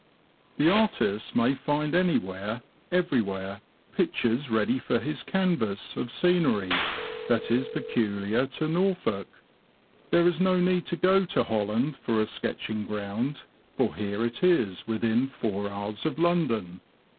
The artist may find anywhere, everywhere, pictures ready for his canvas, of scenery that is peculiar to Norfolk. There is no need to go to Holland for a sketching ground, for here it is within four hours of London.